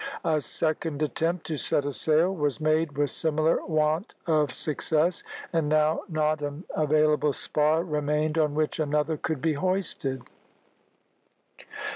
A second attempt to set a sail was made with similar want of success, and now not an available spar remained on which another could be hoisted.